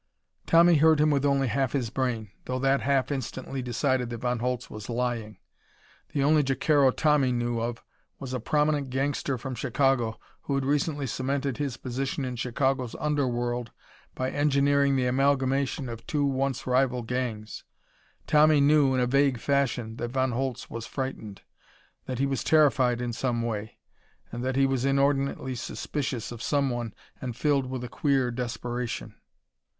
Tommy heard him with only half his brain, though that half instantly decided that Von Holtz was lying. The only Jacaro Tommy knew of was a prominent gangster from Chicago, who had recently cemented his position in Chicago's underworld by engineering the amalgamation of two once rival gangs. Tommy knew, in a vague fashion, that Von Holtz was frightened. That he was terrified in some way. And that he was inordinately suspicious of someone, and filled with a queer desperation.